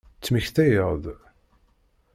Ttmektayeɣ-d.